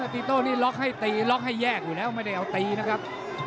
ตีโต้นี่ล็อกให้ตีล็อกให้แยกอยู่แล้วไม่ได้เอาตีนะครับ